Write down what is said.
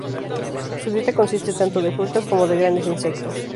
Su dieta consiste tanto de frutas como de grandes insectos.